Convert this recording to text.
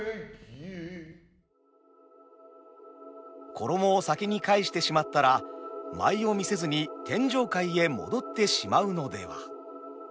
衣を先に返してしまったら舞を見せずに天上界へ戻ってしまうのでは？